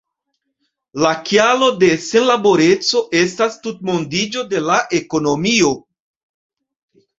La kialo de senlaboreco estas tutmondiĝo de la ekonomio.